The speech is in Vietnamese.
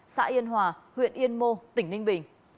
xã yên hòa huyện yên mô tỉnh ninh bình